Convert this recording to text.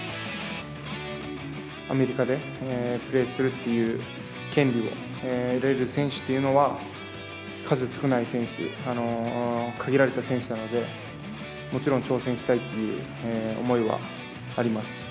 アメリカでプレーするっていう権利を得れる選手というのは、数少ない選手、限られた選手なので、もちろん挑戦したいという思いはあります。